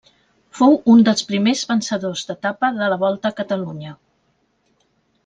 Fou un dels primers vencedors d'etapa de la Volta a Catalunya.